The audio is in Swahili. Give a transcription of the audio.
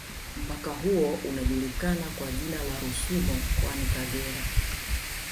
Mpaka huo unajulikana kwa jina la Rusumo mkoani Kagera